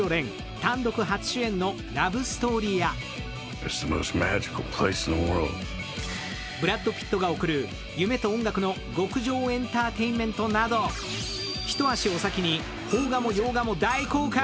単独初主演のラブストーリーやブラッド・ピットが贈る夢と音楽の極上エンターテインメントなど一足お先に邦画も洋画も大公開